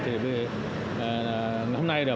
thì hôm nay là